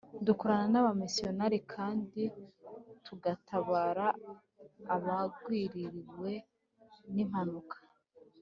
Dukorana n’abamisiyonari kandi tugatabara abagwiririwe n’impanuka